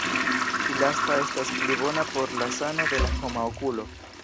Ĉi lasta estas pli bona por la sano de la homa okulo.